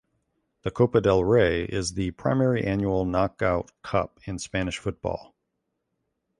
The Copa del Rey is the primary annual knockout cup in Spanish football.